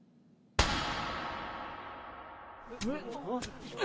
あっ。